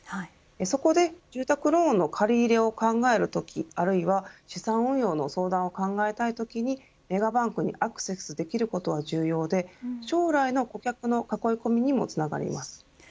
そこで住宅ローンの借り入れを考えるときあるいは資産運用の相談を考えたいときにメガバンクにアクセスできることが重要で将来の顧客の囲い込みにもつながります。